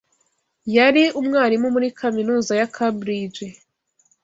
Yari umwarimu muri kaminuza ya Cambridge.